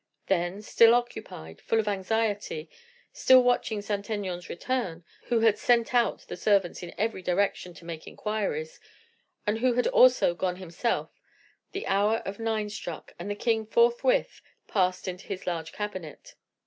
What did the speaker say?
Then, still occupied, full of anxiety, still watching Saint Aignan's return, who had sent out the servants in every direction, to make inquires, and who had also gone himself, the hour of nine struck, and the king forthwith passed into his large cabinet.